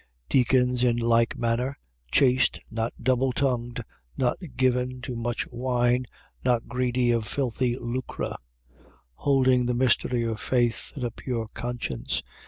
3:8. Deacons in like manner: chaste, not double tongued, not given to much wine, not greedy of filthy lucre: 3:9. Holding the mystery of faith in a pure conscience.